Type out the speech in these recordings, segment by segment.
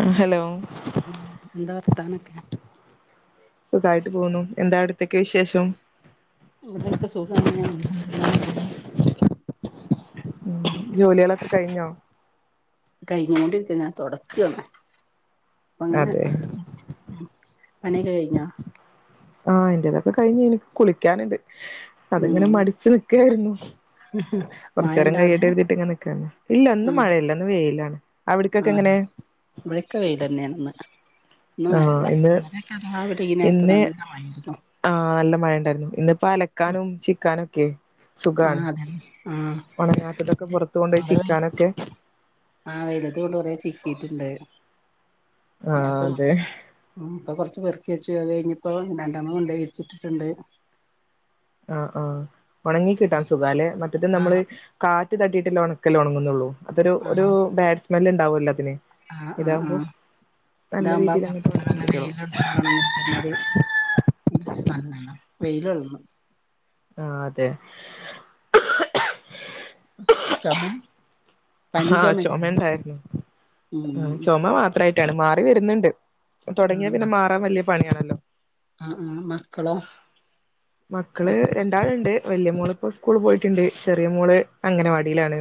ആഹ് hello ഉം എന്താ വർത്താനൊക്കെ സുഖായിട്ട് പോന്നു എന്താ അവിടുത്തൊക്കെ വിശേഷം ഇവിടെയൊക്കെ സുഖാണ് [unintelligible] ഉം ജോലികളൊക്കെ കഴിഞ്ഞോ കഴിഞ്ഞോണ്ടിരിക്കണ് തുടക്ക അങ്ങനെ അതെ ഉം പണിയൊക്കെ കഴിഞ്ഞാ ആഹ് എന്റേതൊക്കെ കഴിഞ്ഞേന് കുളിക്കാനുണ്ട് അതിങ്ങനെ ഉം മടിച്ച് നിക്കായിരുന്നു [unintelligible] കുറച്ച് നേരം അവിടെ കഴിയട്ടെന്ന് കരുതി നിക്കാണ് ഇല്ല ഇന്ന് ആഹ് മഴയില്ല ഇന്ന് വെയിലാണ് അവിടക്കൊക്കെ ആഹ് എങ്ങനെ ഇവിടക്കെ വെയിൽ തന്നെയാണ് ഇന്ന് ഇന്ന് ആഹ് മഴയില്ല ഇന്ന് [unintelligible] നല്ല ഇന്ന് മഴയായിരുന്നു ആഹ് നല്ല മഴ ഉണ്ടായിരുന്നു ഇന്നിപ്പോ അലക്കാനും ചിക്കാനും ഒക്കെ സുഖാണ് ആഹ് അതന്നെ ആഹ് ഉണങ്ങാത്തതൊക്കെ പുറത്ത് കൊണ്ട് പോയി കൊറേ ചിക്കാനൊക്കെ ആഹ് വലുത കൊണ്ട് കുറേ ചിക്കിട്ടുണ്ട് ആഹ് അതെ [unintelligible] ഉം ഇപ്പം കുറച്ച് പെറുക്കി വെച്ചു അത് കഴിഞ്ഞ് ഇപ്പോ രണ്ടാമത് കൊണ്ടുപോയി വിരിച്ചിട്ടിട്ടുണ്ട് ആഹ് ആഹ് ഉണങ്ങി കിട്ടാൻ സുഖാല്ലെ മറ്റത് നമ്മള് ആഹ് കാറ്റ് തട്ടിയിട്ടില്ല ഉണക്കല് ഉണങ്ങുന്നുള്ളൂ അതൊരു ഒരു ആഹ് ബാഡ് സ്മെൽ ഉണ്ടാവൂല്ലോ എല്ലാത്തിന് ആഹ് ആഹ് ആഹ് ഇതാകുമ്പം രീതിയിൽ അങ്ങോട്ട് ഒണങ്ങി കിട്ടിയോളും [unintelligible] [unintelligible] ആഹ് അതെ ചൊമേ ആഹ് ചുമ ഉണ്ടായിരുന്നു ഉം ചുമ മാത്രായി ട്ടാണ് മാറി വരുന്നുണ്ട് തൊടങ്ങിയാൽ പിന്നെ മാറാൻ വല്യെ പണിയാണല്ലോ ആഹ് ആഹ് മക്കളോ മക്കള് മക്ക രണ്ടാള്ണ്ട് വല്യെ മോളിപ്പോ സ്കൂള് പോയിട്ട്ണ്ട് ചെറിയ മോള് അങ്ങനവാടിയിലാണ്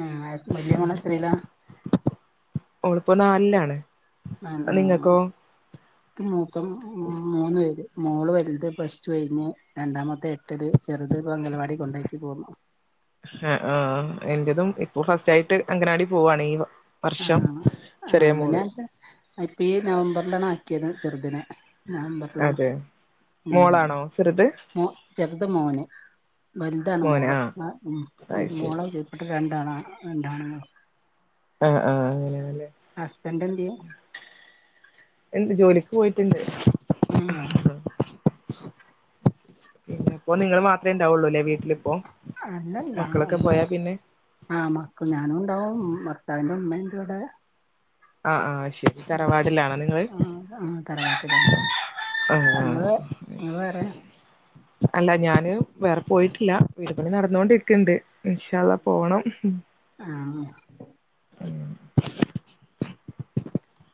ആഹ് ആയെ വല്ല്യെ മോള് എത്രിലാ ഓള് പ്പൊ നാല് ലാണ് ആഹ് ആഹ് ക്ക് മൂത്ത മൂന്ന് പേര് മോള് വെൽത് പ്ലസ് റ്റു കഴിഞ്ഞ് രണ്ടാമത്തെ എട്ടില് ചെറുത് ഇപ്പൊ അംഗലവാടി കൊണ്ടാക്കി പോന്നു ആഹ് ആഹ് എന്റതും ഇപ്പൊ ഫസ്റ്റ് ആയിട്ട് അങ്കനാടി പോവാണ് ഈ വർഷം ചെറിയ മോള് തെ അപ്പ ഈ നവംബറിലാണ് ആക്കിയത് ചെറ്ദിനെ നവംബർല് അതെ ഉം മോളാണോ ചെറുത് മോ ചെറ്ത് മോന് വൽതാണ് മോന് മോള് ആഹ് എ ഉം അത് ശരി മോളെ കീ പട്ട് രണ്ടാണാ രണ്ടാണ്ങ്ങളും ആഹ് ആഹ് അങ്ങനെആണ് ല്ലേ ഹസ്ബൻന്റ് എന്ത്യേ ഇണ്ട് ജോലിക്ക് പോയിട്ട്ണ്ട് ആഹ് അപ്പൊ നിങ്ങള് മാത്രേ ഇണ്ടാവൊള്ളൂല്ലേ വീട്ടിലിപ്പോ അല്ലല്ല ആഹ് മക്കളൊക്കെ അമ്മേ പോയാ പിന്നെ ആഹ് മക്ക് ഞാനും ണ്ടാവും ഭർത്താവി്ന്റെ ഉമ്മയ്ണ്ട് വ്ടെ ആഹ് ആഹ് അയ് ശരി ഉം തറവാടിലാണോ നിങ്ങള് ആഹ് ആഹ് തറവാട്ടിലാണ് ആഹ് ആഹ് നിങ്ങള് നിങ്ങള് വേറെ അയ്ശെരി അല്ല ഞാന് വേറെ പോയിട്ടില്ല വിപണി നടന്നോണ്ടിരിക്ക് ണ്ട് ഇന്ഷാ അള്ളാ പോണം ആഹ് ഉം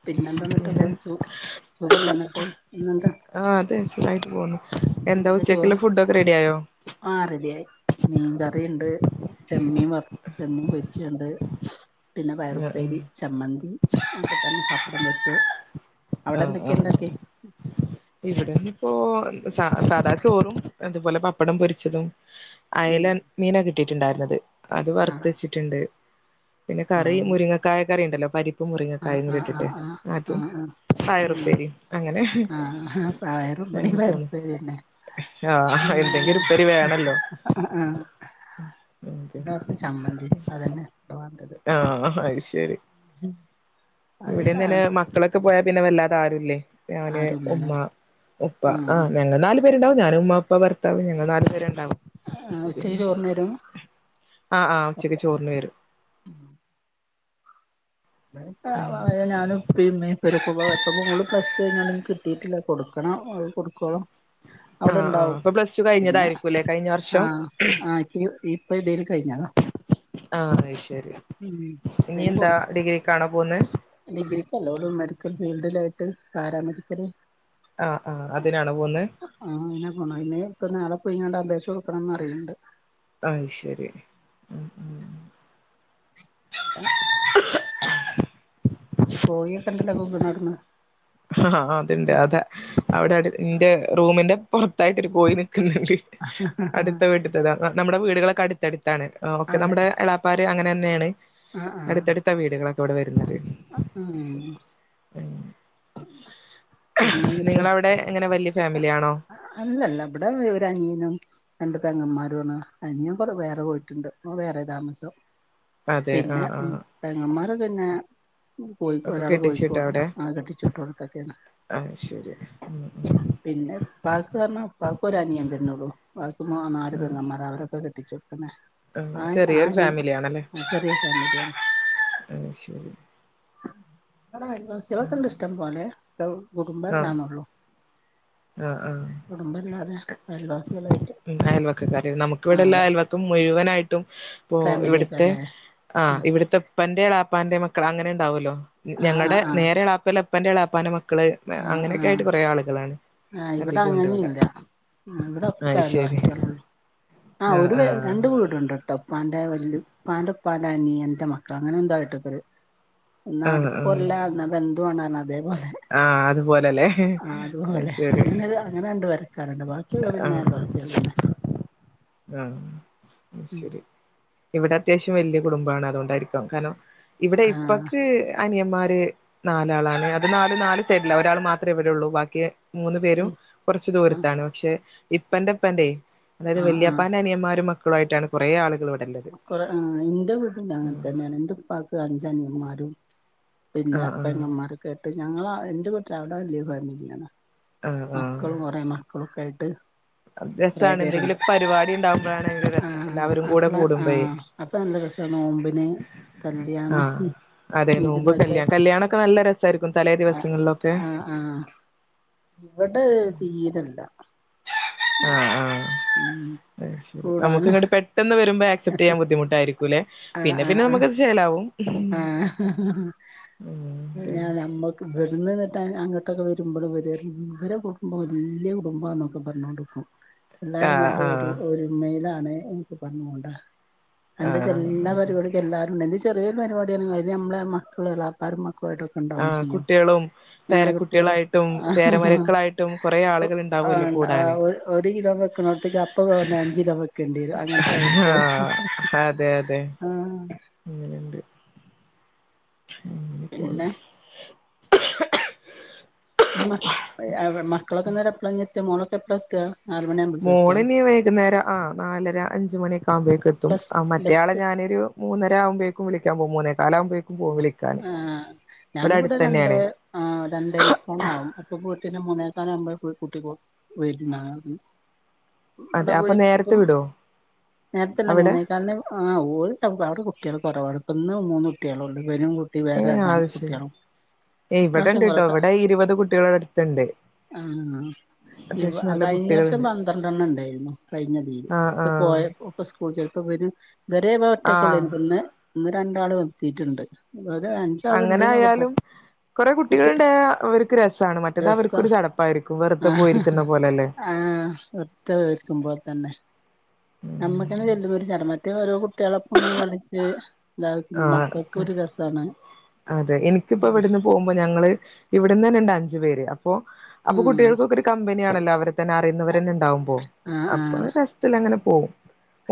പിന്നെന്താന്ന്ട്ടൊക്കെ സു സുഖല്ലേ ന്നട്ട് ഇന്നെന്താ ആഹ് അതെ സുഖായിട്ട് പോണു എന്താ ഉച്ചക്ക്ള്ള ഫുഡ് ഒക്കെ റെഡി ആയോ ആഹ് റെഡി ആയി മീൻകറിണ്ട് ചെമ്മീൻ വർ ചെമ്മീൻ പൊരിച്ചത് ണ്ട് പിന്നെ ആഹ് പയറുപ്പേരി ചമ്മന്തി അഒക്കെ തന്നെ പപ്പടം പൊരിച്ചത് അവിടെ ആഹ് എന്തൊക്കെ ആഹ് ഉണ്ടാക്കിയെ ആഹ് ഇവിടെന്ന് ഇപ്പോ സ സാധാ ചോറും അതുപോലെ പപ്പടം പൊരിച്ചതും ഉം അയല മീ നാ കിട്ടിയിട്ടുണ്ടായിരുന്നത് അത് ആ വറുത്ത് വെച്ചിട്ട്ണ്ട് പിന്നെ ആ കറി മുരിങ്ങ കായക്കറിണ്ടല്ലോ പരിപ്പും മുറിങ്ങ ആ കായും കൂടി ആ ഇട്ടിട്ട് ആ ആ അതും ആ ആ പയറുപ്പേരി അങ്ങനെ ആഹ് പയറും ഇബടിം അങ്ങനെ പോന്നു പയറുപ്പേരിയെന്നെ ആഹ് എന്തെങ്കി ഒരു ഉപ്പേരി ആഹ് വേണെല്ലോ ആഹ് ആഹ് പിന്നെ കൊറച്ച് ചമ്മന്തിം അതന്നെ പ്പൊ വേണ്ടത് ആഹ് ആഹ് ആഹ് അത് ശരി ഉം ഇവിടേം തന്നെ മക്കളക്കെ പോയാ പിന്നെ വല്ലാതെ ആരുംല്ലേ ഞാന് ആരുല്ലല്ലോ ഉമ്മ ഉപ്പ ആ ആഹ് ഞങ്ങ നാല് രുണ്ടാവുംഞും ഉമ്മപ്പ ഭർത്താവ് ങ്ങൾ നാല് പേരുണ്ടാവും ആഹ് ഉച്ചക്ക് പിന്നെ ചോറിന്നെരും ആഹ് ആഹ് ഉച്ചക്ക് ചോറിന് വരും ഞാനും ഇപ്പി ഇമ്മി ഇപ്പ മോള് പ്ലസ് ടു കഴിഞ്ഞാലും കിട്ടിയിട്ടില്ല കൊടുക്കണം അ കൊടുക്കുവളോ ആ ആ അവിടെണ്ടാവും അപ്പൊ പ്ലസ് ടു പിന്നെ കഴിഞ്ഞതായിരിക്കുംല്ലേ കഴിഞ്ഞ വർഷം ആഹ് ആ ഇപ്പ ഇപ്പൊ ഇതേൽ കഴിഞ്ഞതാ ആഹ് അത്ശരി ഉം ഇനി എന്താ ഡിഗ്രി കാണാ പോന്ന് ഡിഗ്രിക്ക്ല്ലോളും മെഡിക്കൽ ഫീൽഡിലായിട്ട് പാരാമെഡിക്കല് ആഹ് ആഹ് അതിനാണ് പോന്ന് ആ് അതിനെ പോ ഇനിപ്പ നാളെപ്പോയി ഇങ്ങളുടെ അപേക്ഷ കൊടുക്കണംന്ന് അറിയണ്ട് അയ്ഷരി ഉം ഉം കോഴി ഒക്കണ്ടല്ല കുക്ണനടന്ന് ആഹ് അത്ണ്ട് അതെ അവിടെ അ എന്റെ റൂമിന്റെ പുറത്തായിട്ടരു കോഴി നിക്കുന്നുണ്ട് അടുത്ത വീടുത്ത നമ്മുടെ വീടുകളൊക്കെ അടുത്തടുത്താണ്ഓക്കെ അതെ നമ്മ ർ അങ്ങനെന്നെയാണ് ആഹ് ആഹ് അടുത്തടുത്ത വീടുകളൊക്കെ ഇവിടെ വരുന്നത് ഉം അ പിന്നെ എന്നിട്ട് നിങ്ങളവിടെ എങ്ങനെ വലിയ ഫാമിലിയാണോ അല്ലല്ല ഇവിടെ ഒരു അനിയനും രണ്ട് പെങ്ങന്മാരണ് അന്യ്ൻ വേറെ പോയിട്ടുണ്ട് ഓന് വേറെ താമസം അതെ പിന്നെ ആഹ് ആഹ് പെങ്ങന്മാർ പിന്നെ കോഴ ഒക്കെ ഒരാട് കെട്ടിച്ചിട്ടാ കോഴിക്കോട്ണ്ട് അവിടെ അ കെട്ടി ചട്ടറ് തക്കും ആഹ് ശരി ഉം ഉം പിന്നെ പാക്ക് കാരഞ്ഞാൽ പ്പാക്കൊരെനിയം തന്നുള്ളൂ പ്പാക്ക് ആ നാല് ആഹ് പെങ്ങന്മാര അവരൊക്കെ കെട്ടിച്ചു പി ആഹ് ആ ആ ചെറിയൊരു ഫാമിലിയാണല്ലേ ആ ചെറിയ ഫാമിലിയാണ് ആഹ് ശരി ആഹ് ഉം അയൽവാസിയാളോക്കണ്ട് ഇഷ്ടം പോലെ കുടുംബാല്ലന്നള്ളു ആ ആ അയൽവാസികളായിട്ട് അയൽവക്ക കാര് നമുക്ക് ഇവിടെല്ലാം ആകെ അയൽ മുഴുവനായിട്ടും ഇപ്പോ ഫാമിലി ഇവിടുത്തെ ആയിട്ടല്ലേ ആഹ് ഇവിടത്തെപ്പന്റെളാപ്പാന്റെ മക്കൾ അങ്ങനെ ഉണ്ടാവല്ലോ ആഹ് ഞങ്ങളുടെ ആഹ് ആഹ് നേരെളപ്പല്ല പപ്പൻ്റെളാപ്പാന മക്കൾ ആഹ് അങ്ങനെയൊക്കെ ആഹ് ആയിട്ട് കുറേ ആളുകളാണ് ആഹ് അധികം ഉണ്ട് ഇവിടെ ഇവിടെങ്ങനെല്ല ഇവിടെൊക്കെ അത് ശരി അൽവാസികളള്ളൂ ആഹ് വെ ഒരു രണ്ട വൂടുണ്ട് ട്ട ഉപ്പാന്റെ വല് ഉപ്പാന്റെ ഉപ്പാന്റെറെ അനിയന്റെ മക്കള അങ്ങനെ എന്തായിട്ടക്ക ഒാട ആഹ് ആഹ് കൊല്ലന്ന അത്െന്തുവാണ്ടാണ് അതേപോലെ ആഹ് അതുപോലല്ലേ ആഹ് അത് അത്പോലെ ശരി അങ്ങനെല്ല അങ്ങനെണ്ട് വരെ കരണ്ട് ബാക്കിയുള്ളവര് പിന്നെ ആഹ് അയൽവാസികളെന്നെ ആഹ് അത്ശെരി ഇവിടത്യാവശ്യം വല്യ കുടുംബാണ് അത്കൊണ്ടായിരിക്കാം കാരണം ആഹ് ഇവിടെപ്പക്ക് അനിയന്മാര് നാലളാണ് അത് നാലും നാല് സൈഡില ഒരാൾ മാത്രേ ഇവിടെയുള്ളൂ ബാക്കി മൂന്ന് പേരും ഉം കുറച്ച് ദൂര ആഹ് പക്ഷെ ഇപ്പന്റെപ്പന്റെ അതായത് ആഹ് ആഹ് വല്യാപ്പാന്റെ അനിയന്മാരും മക്കളും ആയിട്ടാണ് കുറേ ആളുകളിവി കൊറെ ആഹ് ഇന്റെ വീടിലങ്ങനെ തന്നെയാണ് ഇന്റെ ഉപ്പാക്ക് അഞ്ചനിയമാരും ആ പിന്നെ ആ പെങ്ങന്മാരൊക്കെ ആയിട്ട് ഞങ്ങള എന്റെ വീട്ടില് അവിടെ വല്യ ഫാമിലിയാണ് ആഹ് മക്കളും കുറെ മക്കളൊക്കായിട്ട് റെ രസാണ് പേര്ണ്ട് എന്തെങ്കിലും പരിപാടി ഉണ്ടാവുമ്പോഴാണ് ഭയങ്കര രസം ആഹ് എല്ലാവരും കൂടെ അപ്പള കൂടുമ്പോഴേ ആഹ് അപ്പൊ നല്ല രസാ നോമ്പിന് കല്യാണം ആഹ് അതെ നോമ്പ് വിരുന്നൊക്കെ കല്യാ കല്യാണൊക്കെ നല്ല രസായിരിക്കും തലേ ആഹ് ദിവസങ്ങളിലൊക്കെ ആഹ് ഇവടെ തീരല്ല ആഹ് ആഹ് ഉം അത്ശെരി നമുക്ക് കൂടാനും ഇങ്ങട്ട് പെ പെട്ടന്ന് വരുമ്പോ ആക്സെപ്റ്റെയ്യാൻ ബുദ്ധിമുട്ടായിരിക്കൂല്ലെ ആഹ് പിന്നെ പിന്നെ ആഹ് നമക്കത് ചെലാവും ആഹ് [unintelligible] ഉം അതെ ഞ നമ്മ ഇവിടുന്നു അങ്ങോട്ടൊക്കെ വരുമ്പോൾ ഇവരറിഞ്ഞ് ഇവരെ കുടുംബം വല്യ കുടുംബന്നൊക്കെ പറഞ്ഞോണ്ട്ക്കും എല്ലാരും ആഹ് നല്ല ഒരു ആഹ് ഒരുമെയിലാണ് എന്നോക്കെ പറഞ്ഞോണ്ട അഎന്താച്ചാല് ആഹ് എല്ലാ അതെ പരിപാടിക്കും എല്ലാരുണ്ട് എന്തെലും ചെറിയൊരു പരിപാടിയല്ലും അയില് നമ്മളെ മക്കളും എളാപ്പാരും മക്കളുആയിട്ടു ക ണ്ടാവും ആഹ് ചെയ്യും കുട്ടികളും ആഹ് കുട്ടികള് പേരക്കുട്ടികളായിട്ടും [unintelligible] പേരമരക്കളായിട്ടും കൊറേ ആളുകൾ ആഹ് ഉണ്ടാവുമല്ലോ കൂടാന് ഇണ്ടാവൊ ഒരു കിലോ വെക്ക്ണോട്ത്ക്ക് അപ്പ [unintelligible] അഞ്ച്കിലോ വെക്കേണ്ടി വരും അങ്ങൻത്തെ അവസ്ഥയാണ് ആഹ് അതെ അതെ ആഹ് അങ്ങനെണ്ട് അങ്ങനെ പോണ് പിന്നെ ഇനി മ മക്കളൊക്കനേരം എപ്പ്ളനി എത്ത മോളൊക്കെ എപ്പളത്ത മോളിനി വൈകുന്നേരം ആഹ് നാലര അഞ്ച് മണിയൊക്കാവുമ്പേക്കെത്തും ബസ് ആഹ് മറ്റയാളെ ബസ് ഞാനൊരു മൂന്നരാവുമ്പോഴേക്കും വിളിക്കാൻ പോകും മൂന്നോകാലാവുമ്പോഴേക്കും പോവും വിളിക്കാൻ ആഹ് ഞാനിവിടെ രണ്ടേ ഇവിടടുത്തെന്നെയാണ് ആഹ് രണ്ടേ മുക്കാലാവും അപ്പ പോയിട്ട്ന്നെ മൂന്നേക്കാലാകുമ്പേൾ പോയി കൂട്ടി കോ വരും ഞാൻ അവടെ അതെ അപ്പൊ പോയി നേരത്തെ ഇപ്പം വിടോ നേരത്തല്ല അവിടെ മൂന്നേക്കാൽന് ആഹ് ഓല് [unintelligible] അവുടെ കുട്യൾ കോറവാണ് ഇപ്പന്ന് മൂന്ന് കുട്യളുള്ളു ഇവനും തി വേറെ രണ്ടാണ്കുട്യാളും ഏയ്‌ ഇവിടെണ്ട്ട്ടോ ഇവിടെ ഇരുപത് കുട്ടികളട്ത്തുണ്ട് ആഹ് ഇവ കഴിഞ്ഞ വർഷം കുട്ടികളുണ്ട് പന്ത്രണ്ടെണ്ണം ണ്ടെയ്ന്നു കഴിഞ്ഞതീൽ ആ ആ ഇപ്പ പോയപ്പോ പ്പ സ്കൂൾ ചേർത്തവര് ഇത് വരേ ഇവൻ ആ ഒറ്റക്കുള്ളേയ്നി പ്പന്ന് ഇന്ന് രണ്ടാൾ വ എത്തീറ്റ്ണ്ട് [unintelligible] അങ്ങനായാലും കോറെേ കുട്ടി കുട്ടികള്ണ്ടായ ഇവര്ക്ക് രസാണ് രസാ മറ്റേതവർക്കൊരു ചടപ്പായിരിക്കും വെറുത ആഹ് പോയിരിക്കുന്ന പോലെല്ലേ ആഹ് ഒറ്റ വെഡ്സും പൊല്തന്നെ ഉം നമ്മക്കെങ്ങെല്ലുൊമ്പോരു ചട മറ്റേഓരോ കുട്യാളോപ്പങ്ങനെകളി എ ആ ന്താമക്കക്കോരു രസാണ് പ്പൊ ഞങ്ങൾ ഇവിടെന്നെ ഇണ്ട് അഞ്ച് പേര് അപ്പോ അപ്പൊ ഉം കുട്ടികൾക്കൊക്കെര് കമ്പനിയാണല്ലോ അവരെ തന്നെ അറിയുന്നവരെന്നെ ണ്ടാവുമ്പോ ആഹ് അപ്പൊ ആഹ് രസതിലങ്ങനെ പോവും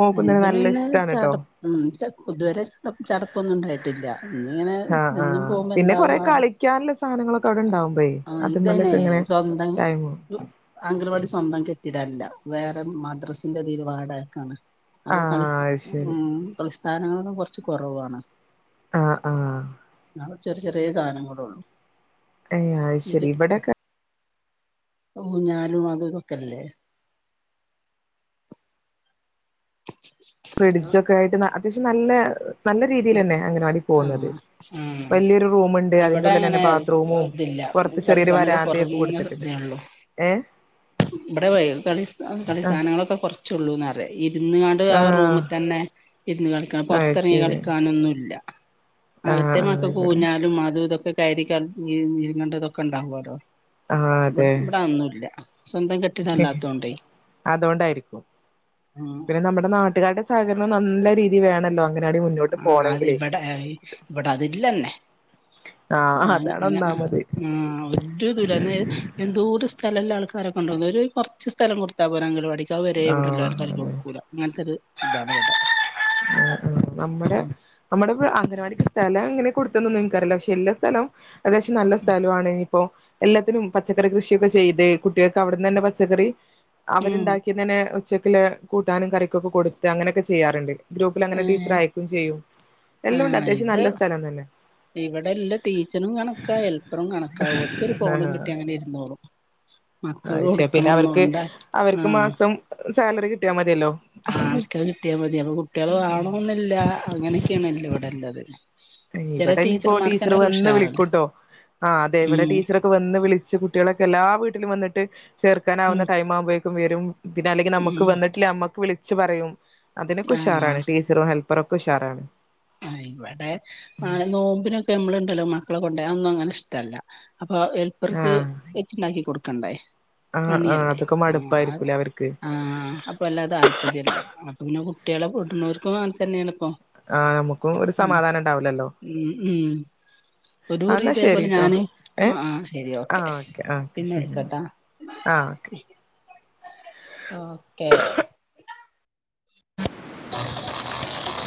ഓക്കുംതന്നെ ഇവന് പിന്നെ നല്ലേഷ്ടാണ് ട്ടോ ചട ഉം [unintelligible] തുവരെ ചടപ്പൊന്നുണ്ടായിട്ടില്ല ആഹ് ആഹ് പിന്നെ കൊറെ ആവോ കളിക്കാൻല്ലേ സാനങ്ങളോ ക്കവ്ടെണ്ടാവുമ്പഴേ ആഹ് അത് മല്ക്കിങ്ങനെ ടൈം അംഗന് വാടി സ്വന്തം കെട്ടിയാതല്ല വേറെ മദ്രാസിന്റെ തീല് വാടകക്കാണ് അപ്പൊ ആഹ് കളിസ് അത് ശരി ഉം കളിസ്ഥാനങ്ങളൊക്കെ കൊറച്ച് കൊറവാണ് അഹ് ആഹ് ഇന്നാള് ചെറി ചെറേ സാനങ്ങളൊള്ളൂ ഏഹ് ഹ ഇജ് ഊഞ്ഞാലും അതുതൊക്കെല്ലെ [inaudible] ഫ്രിഡ്‌ജൊക്കെ ആയിട്ട് അത്യാവശ്യം നല്ലേ നല്ല രീതീലെന്നെ അങ്ങനവാടി പോകുന്നത് ആഹ് ആഹ് വലിയൊരു റൂമുണ്ട് അതിൻ്റെ ഇവിടെ അങ്ങനെ ഉള്ളിലെന്നെ ബാത്റൂമും ഇതില്ല പൊറത്ത് ചെറിയൊരു കളിസാനൊക്കെ വരാന്തിയൊക്കെ കുറഞ്ഞ കൊടുത്ത്ട്ട്ണ്ട് ഇതേ ഉള്ളൂ ഏഹ് ഇവിടെ കളിസ് കളി ആഹ് സാനങ്ങളൊക്കെ കൊറച്ചൊള്ളൂന്ന്റ ഇരുന്ന് കാണ്ട് ഇത് ആഹ് റൂമ് തന്നെ ഇര്ന്ന് കളിക്കണം അത് പൊറത്തെറങ്ങി ശരി കളിക്കാനൊന്നുംല്ല ആഹ് അകത്ത് ഈ ആഹ് മക്കക്ക് ഇവിടെ ഊഞ്ഞാലും അതൂ ഇതൊക്കെ കയറി കളി നീങ്ങണ്ടതൊക്കെ ഉണ്ടാവോലോ ആഹ് ഇവിട് ഇവിടെ അതൊന്നുംല്ല സ്വന്തം കെ ഉം അതോണ്ടായിരിക്കും ആഹ് പിന്നെ നമ്മുടെ നാട്ടുകാരുടെ സഹകരണം നല്ല രീതി വേണല്ലൊ അങ്കനവാടി മുന്നോ ആഹ് അത് ഇവടെ ഇവടെ അതില്ലെന്നെ ഇവട ആഹ് അയ്ന് അതാണ് അങ്ങനെ ഒന്നാമത് ആഹ് ഒര് എന്തൊരു ദൂരാന്നെയ് എന്തോര് സ്ഥലള്ള ആൾക്കാരൊക്കെണ്ടോന്നൊ ഒരു കൊറച്ച് സ്ഥലം കൊടുത്താ പോരെ അങ്കലാവാടി അത് വരെ ഇവിടെ ആഹ് ഇല്ലോൽക്ക് ആരും അതെ കൊടുക്കൂല അങ്ങനത്തെ ഒരു ഇതാണ് ഇവടെ ഉം ഉം നമ്മുടെ നമ്മുടെ അംഗൻവാടിക്ക് സ്ഥലം എങ്ങനെ കൊടുത്തൊന്നും ഇൻക്കറീല പക്ഷെ ഇല്ല സ്ഥലം ഏകദേശം നല്ല സ്ഥലു ആണ് ഇപ്പൊ എല്ലത്തിനും പച്ചക്കറി കൃഷിയൊക്കെ ചെയ്ത് കുട്ടേക്ക് അവടന്നെന്നെ പച്ചക്കറി ഉം അവര്ണ്ടാ പിന്നെ ഉച്ചക്കില്ലെ കൂട്ടാനും കറിക്കൊക്കെ കൊടുത്ത് അങ്ങനെക്കെ ചെയ്യാറ്ണ്ട് ഗ്രൂപ്പിൽ അങ്ങനെ ടീച്ചർ ഏഹ് അയക്കും ചെയ്യും എല്ലുംണ്ട് അത്യാവശ്യം നല്ല സ്ഥലം തന്നെ ഇവിടെ ഇല്ല ടീച്ചറും കണക്കാ ഹെൽപ്പറും കണക്കാ ഓൽക്കൊര് ഫോണും കിട്ടി അങ്ങനെ ഇരുന്നോളും [inaudible] അയ്ശെ പിന്നെ അവർക്ക് കൊടുക്കണംന്നോണ്ട അവർക്ക് ആഹ് മാസം സാലറി കിട്ടിയാ മതിയല്ലോ ആഹ് അവർക്ക് അത് കിട്ടിയാ മതി അപ്പം കുട്ടേള് വാണന്നില്ല അങ്ങനെയൊക്കെയണല്ലോ ഇവിടെല്ലത് ഇവിടെ ഇനിപ്പോ ടീച്ചറ് വന്ന് ഉഷാറല്ലേ വിളിക്കുട്ടോ ആഹ് അതെ ഇവടെ ഉം ടീച്ചറ് വന്ന് വിളിച്ച് കുട്ടേളെക്കെ എല്ലാ വീട്ടിലും വന്ന്ട്ട് ഉം ചേർക്കാനാവുന്ന ടൈം ആവുമ്പോയേക്കും വരും പിന്നെ അല്ലെങ്കി നമുക്ക് ഉം വന്നിട്ടില്ലേ നമ്മുക്ക് വിളിച്ച് പറയും അതിനൊക്കെ ആഹ് ഉഷാറാണ് ടീച്ചറും ഹെൽപ്പറൊക്കെ ഉഷാറാണ് ആഹ് ഇവടെ ആഹ് നോമ്പിനൊക്കെ ഞമ്മള്ണ്ടല്ലോ മക്കള കൊണ്ടേ അതൊന്നും അങ്ങനെ ഇഷ്ടല്ല അപ്പൊ ഹെൽപ്പർക്ക് ആഹ് വെച്ച്ണ്ടാക്കി കൊടുക്കണ്ടേ ആഹ് ആഹ് പണിയല്ലേ അതൊക്കെ ആഹ് അത് മടുപ്പായിരിക്കൂലേ അവർക്ക് ആഹ് പ്പം വല്ലാ താല്പര്യല്ല അപ്പ പിന്നെ കുട്ടികളെ കൂട്ട്ണോർക്കും അങ്ങനെ തന്നെയാണ്പ്പം ആഹ് നമുക്കും ഒരു സമാധാനം ഉണ്ടാവുല്ലല്ലോ ഉം ഉം ഒരു കുറി എന്നാ ഇതേ പോലെ ശരിട്ടോ ഞാന് ഏഹ് ആഹ് ആഹ് ശരി ഓക്കെ പിന്നെ ശരി എന്നാ വിളിക്കാട്ടാ ആഹ് ഓക്കെ ഓക്കെ [inaudible]